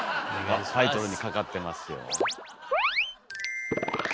タイトルにかかってますよ。